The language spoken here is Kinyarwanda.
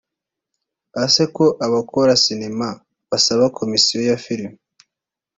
Ese ko abakora sinema basaba Komisiyo ya filime